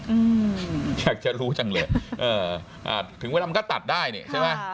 อืมอยากจะรู้จังเลยเอ่ออ่าถึงเวลามันก็ตัดได้นี่ใช่ไหม